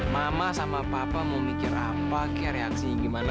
mama sama papa mau mikir apa kayak reaksi gimana